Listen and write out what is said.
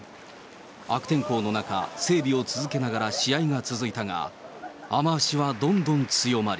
悪天候の中、整備を続けながら試合が続いたが、雨足はどんどん強まり。